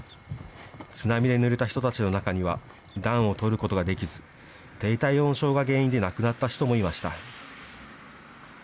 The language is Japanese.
津波でぬれた人たちの中には、暖をとることができず、低体温症が原因で亡くなった人もいました。